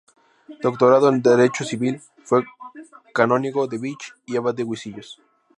Doctorado en derecho civil, fue canónigo de Vich y abad de Husillos.